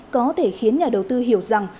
có thể khiến nhà đầu tư hiểu rằng